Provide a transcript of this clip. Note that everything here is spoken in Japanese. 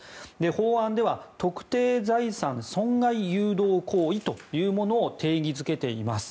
法案では特定財産損害誘導行為というものを定義づけています。